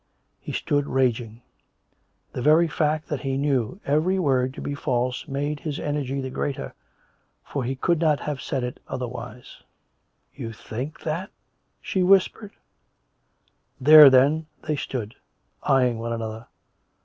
He stood raging. The very fact that he knew every word to be false made his energy the greater; for he could not have said it otherwise. " You think that !" she whispered. There, then, they stood, eyeing one another.